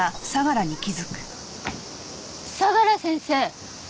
相良先生！